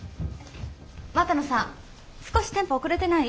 股野さん少しテンポ遅れてない？